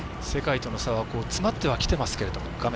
世界との差は詰まってきていますけれども。